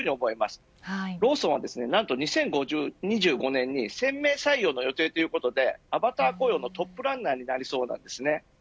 ローソンは２０２５年に１０００名採用ということでアバター雇用のトップランナーになりそうです。